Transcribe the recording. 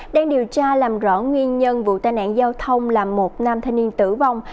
đang điều tra làm rõ nguyên nhân vụ tai nạn giao thông làm một nam thanh niên tử vong